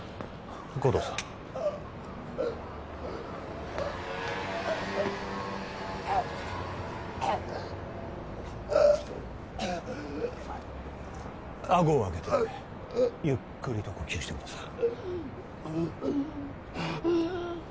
護道さんあごを上げてゆっくりと呼吸してください